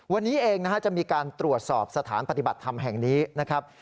วันนี้เองนะฮะจะมีการตรวจสอบสถานปฏิบัติธรรมแห่งนี้นะครับ